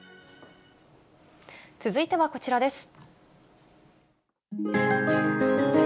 続いてはこちらです。